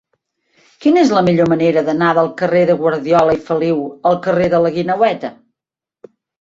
Quina és la millor manera d'anar del carrer de Guardiola i Feliu al carrer de la Guineueta?